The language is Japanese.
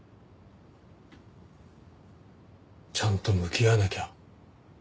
ちゃんと向き合わなきゃ。